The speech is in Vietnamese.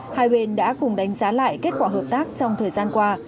hai bên đã cùng đánh giá lại kết quả hợp tác trong thời gian qua